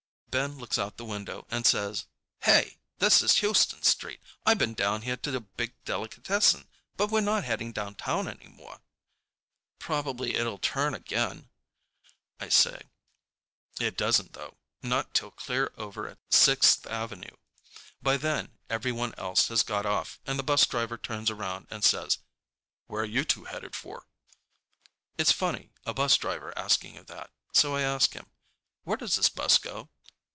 Ben looks out the window and says, "Hey, this is Houston Street. I been down here to a big delicatessen. But we're not heading downtown anymore." "Probably it'll turn again," I say. It doesn't, though, not till clear over at Sixth Avenue. By then everyone else has got off and the bus driver turns around and says, "Where you two headed for?" It's funny, a bus driver asking you that, so I ask him, "Where does this bus go?"